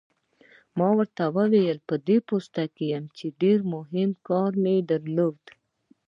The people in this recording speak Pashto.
ما ورته وویل: په پوسته کې وم، چې ډېر مهم کار مې درلود.